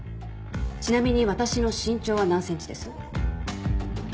ちなみに私の身長は何ｃｍです？